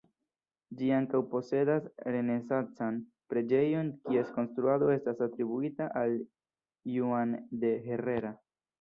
Ĝi ankaŭ posedas renesancan preĝejon kies konstruado estas atribuita al Juan de Herrera.